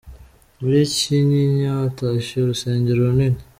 Muri cyinyinya Hatashywe urusengero Runini